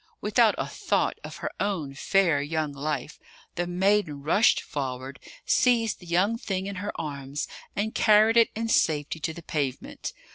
Without a thought of her own fair young life, the maiden rushed forward, seized the young thing in her arms and carried it in safety to the pavement.